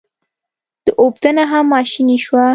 د اوبدنه هم ماشیني شوه.